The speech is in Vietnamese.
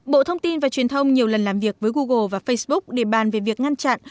bộ thông tin và truyền thông nhiều lần làm việc với google và facebook để bàn về việc ngăn chặn